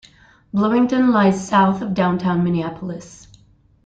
Bloomington lies south of downtown Minneapolis.